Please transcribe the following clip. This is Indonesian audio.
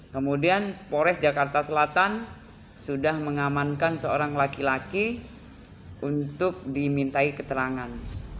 kemudian pores jakarta selatan sudah mengamankan seorang laki laki untuk dimintai keterangan